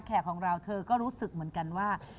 ของเราเธอก็รู้สึกเหมือนกันว่า